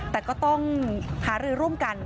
ที่สองที่ได้แม่งศัพท์